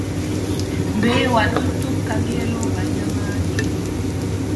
Mbeewa ɗon tokka ngeelooba nyamaande.